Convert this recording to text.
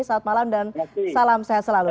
selamat malam dan salam sehat selalu